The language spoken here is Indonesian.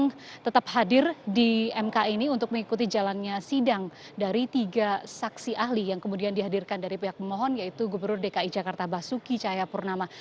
yang tetap hadir di mk ini untuk mengikuti jalannya sidang dari tiga saksi ahli yang kemudian dihadirkan dari pihak pemohon yaitu gubernur dki jakarta basuki cahayapurnama